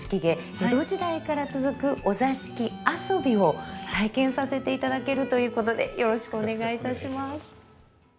江戸時代から続くお座敷遊びを体験させていただけるということでよろしくお願いいたします。